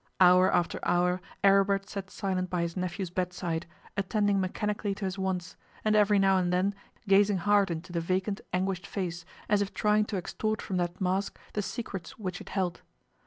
Hour after hour Aribert sat silent by his nephew's bed side, attending mechanically to his wants, and every now and then gazing hard into the vacant, anguished face, as if trying to extort from that mask the secrets which it held.